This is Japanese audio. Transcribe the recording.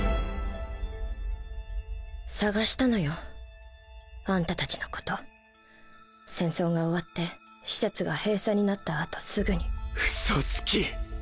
捜したのよあんたたちのこと戦争が終わって施設が閉鎖になったあと嘘つき。